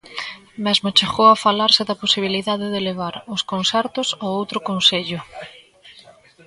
Mesmo chegou a falarse da posibilidade de levar os concertos a outro concello.